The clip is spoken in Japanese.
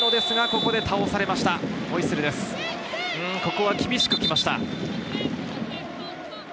ここは厳しくきました。